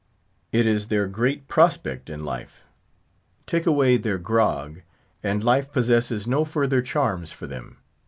It is their great "prospect in life." Take away their grog, and life possesses no further charms for them.